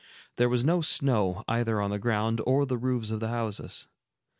There was no snow, either on the ground or the roofs of the houses.